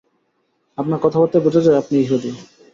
আপনার কথাবার্তায় বুঝা যায়, আপনি ইহুদী।